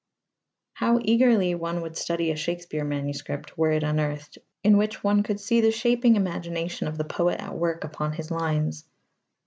How eagerly one would study a Shakespeare manuscript, were it unearthed, in which one could see the shaping imagination of the poet at work upon his lines!